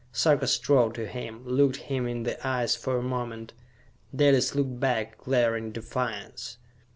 Sarka strode to him, looked him in the eyes for a moment. Dalis looked back, glaring defiance.